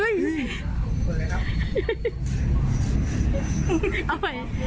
เอาใหม่